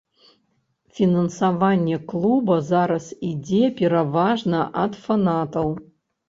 Фінансаванне клуба зараз ідзе пераважна ад фанатаў.